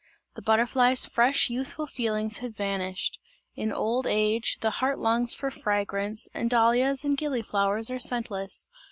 The butterfly's fresh youthful feelings had vanished. In old age, the heart longs for fragrance, and dahlias and gillyflowers are scentless.